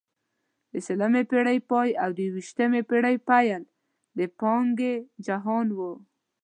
د شلمې پېړۍ پای او د یوویشتمې پېړۍ پیل د پانګې جهان وو.